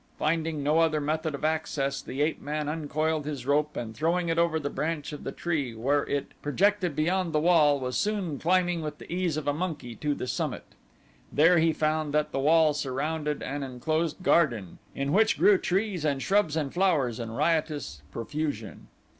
Finding no other method of access, the ape man uncoiled his rope and throwing it over the branch of the tree where it projected beyond the wall, was soon climbing with the ease of a monkey to the summit. There he found that the wall surrounded an enclosed garden in which grew trees and shrubs and flowers in riotous profusion.